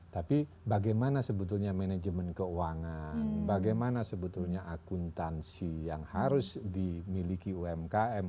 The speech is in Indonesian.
tapi bagaimana sebetulnya manajemen keuangan bagaimana sebetulnya akuntansi yang harus dimiliki umkm